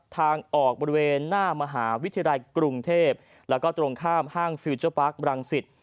ทางออกบริเวณหน้ามหาวิทยาลัยกรุงเทพแล้วก็ตรงข้ามห้างฟิลเจอร์ปาร์คบรังสิต